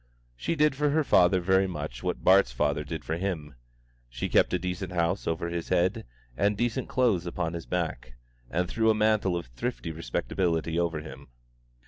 She did for her father very much what Bart's father did for him: she kept a decent house over his head and decent clothes upon his back, and threw a mantle of thrifty respectability over him.